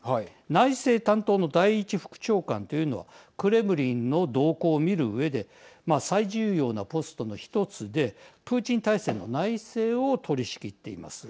内政担当の第１副長官というのはクレムリンの動向を見るうえで最重要なポストの１つでプーチン体制の内政を取り仕切っています。